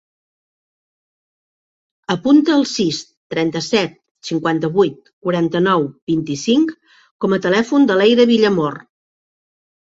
Apunta el sis, trenta-set, cinquanta-vuit, quaranta-nou, vint-i-cinc com a telèfon de l'Eire Villamor.